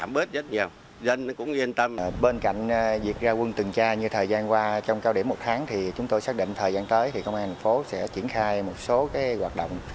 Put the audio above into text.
bên cạnh việc ra quân từng tra như thời gian qua trong cao điểm một tháng thì chúng tôi xác định thời gian tới thì công an tp sẽ triển khai một số hoạt động